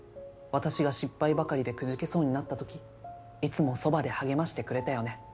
「私が失敗ばかりで挫けそうになった時いつもそばで励ましてくれたよね？」